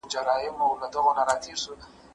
لویان هم کله ناکله تېروتنې کوي.